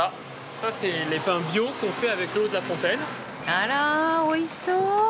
あらおいしそう！